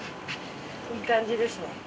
いい感じですね。